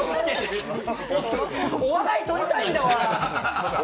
お笑いとりたいんだ。